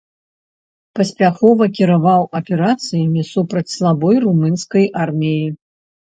Паспяхова кіраваў аперацыямі супраць слабой румынскай арміі.